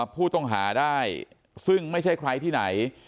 ผู้ต้องหาได้ซึ่งไม่ใช่ใครที่ไหน